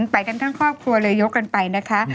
ไปกันทั้งครอบครัวเลยยกกันไปนะคะ